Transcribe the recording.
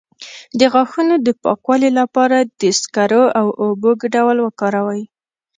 د غاښونو د پاکوالي لپاره د سکرو او اوبو ګډول وکاروئ